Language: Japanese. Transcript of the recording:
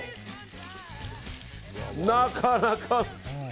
なかなか！